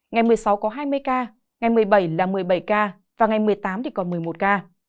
ngày một mươi sáu có hai mươi ca ngày một mươi bảy là một mươi bảy ca và ngày một mươi tám thì còn một mươi một ca